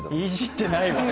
いじってない。